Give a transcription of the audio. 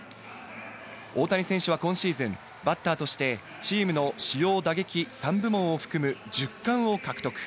大谷選手は今シーズン、バッターとしてチームの主要打撃３部門を含む１０冠を獲得。